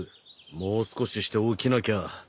もう少しして起きなきゃ。